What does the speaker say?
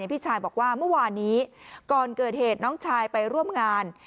พี่ชายบอกว่าเมื่อวานนี้ก่อนเกิดเหตุน้องชายไปร่วมงาน